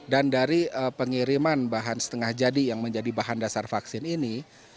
dan dari pengiriman bahan setengah jadi yang menjadi bahan dasar vaksin ini